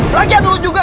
lagi ya dulu juga